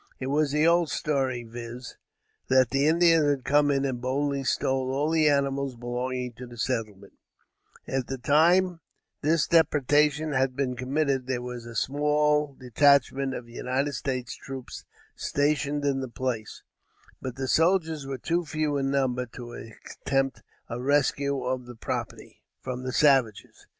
It was the old story, viz. that the Indians had come in and boldly stole all the animals belonging to the settlement At the time this depredation had been committed, there was a small detachment of United States troops stationed in the place, but the soldiers were too few in number to attempt a rescue of the property from the savages.